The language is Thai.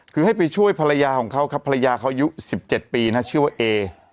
คือให้ไปช่วยภรรยาของเขาครับภรรยาเขาอายุ๑๗ปีนะชื่อว่าเอ